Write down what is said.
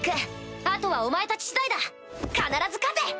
あとはお前たち次第だ必ず勝て！